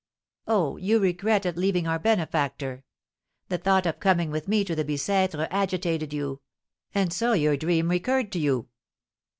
"Oh, you regret at leaving our benefactor! The thought of coming with me to the Bicêtre agitated you; and so your dream recurred to you."